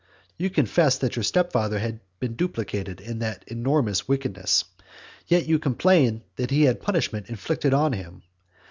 You confessed that your stepfather had been duplicated in that enormous wickedness, yet you complained that he had had punishment inflicted on him.